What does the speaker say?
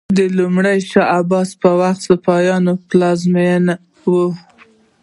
د لومړي شاه عباس په وخت اصفهان پلازمینه و.